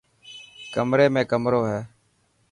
ڪمري ۾ ڪمرو هي.